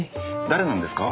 誰なんですか？